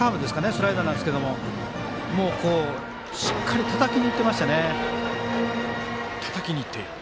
スライダーですけどしっかりたたきにいってましたね。